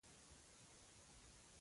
انا له ښو اخلاقو فخر کوي